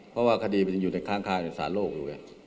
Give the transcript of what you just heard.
เพราะว่าคดีมันยังอยู่ในค้างคางในสารโลกอยู่ไง